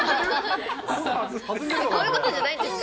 こういうことじゃないんですか？